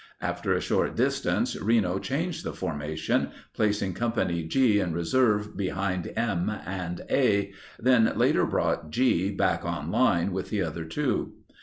After a short distance Reno changed the formation, placing Company G in reserve behind M and A, then later brought G back on line with the other two.